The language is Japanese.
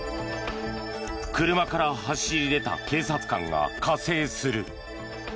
車から走り出た警察官が加勢する。